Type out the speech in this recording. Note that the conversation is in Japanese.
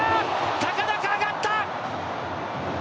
高々、上がった！